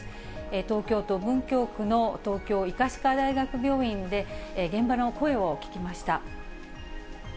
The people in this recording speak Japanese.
東京都文京区の東京医科歯科大学病院で、現場の声を聞きました。